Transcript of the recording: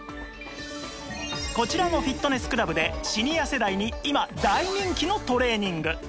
こちらのフィットネスクラブでシニア世代に今大人気のトレーニング